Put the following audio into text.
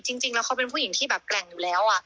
จริงแล้วเขาเป็นผู้หญิงที่แบบแกร่งอยู่แล้ว